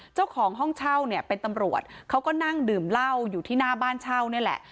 เจ้าของห้องเช่าเนี่ยเป็นตำรวจเขาก็นั่งดื่มเหล้าอยู่ที่หน้าบ้านเช่านี่แหละ